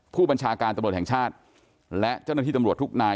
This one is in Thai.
ผู้บัญชาการตำรวจแห่งชาติและเจ้าหน้าที่ตำรวจทุกนาย